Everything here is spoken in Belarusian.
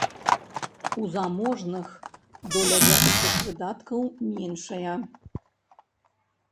У заможных доля бягучых выдаткаў меншая.